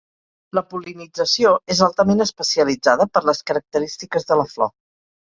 La pol·linització és altament especialitzada per les característiques de la flor.